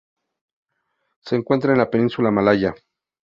Se encuentra en la península Malaya.